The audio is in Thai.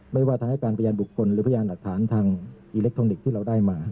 ไม่ว่าทางให้การพยานบุคคลหรือพยานหลักฐานทางอิเล็กทรอนิกส์ที่เราได้มา